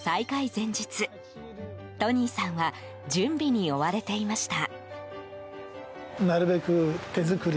前日トニーさんは準備に追われていました。